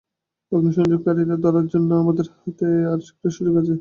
অগ্নিসংযোগকারীকে ধরার জন্য আমাদের হাতে আর একটা সুযোগই আছে।